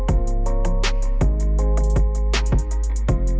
next videonya akan subtitles semoga berhasil dalaman